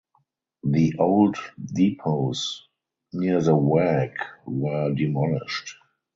The old depots near the Waag were demolished.